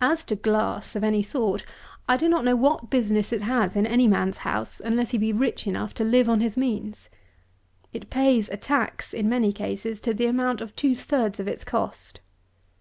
As to glass of any sort, I do not know what business it has in any man's house, unless he be rich enough to live on his means. It pays a tax, in many cases, to the amount of two thirds of its cost.